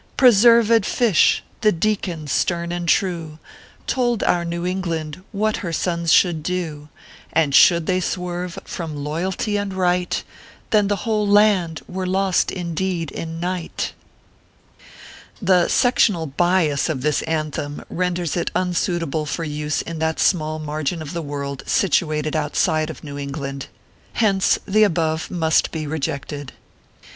Preserv ed Fish, the Deacon stern and true, Told our New England what her sons should do, And should they swerve from loyalty and right, Then the whole land were lost indeed in night. 58 ORPHEUS C. KERR TAPERS. The sectional bias of this " anthem" renders it unsuitable for use in that small margin of the world situated outside of New England. Hence the above must be rejected.